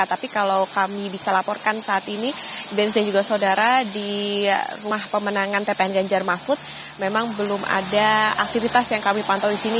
tapi kalau kami bisa laporkan saat ini benz dan juga saudara di rumah pemenangan tpn ganjar mahfud memang belum ada aktivitas yang kami pantau di sini